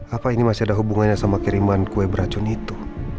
apa ini masih ada hubungannya sama kiriman kue beracun itu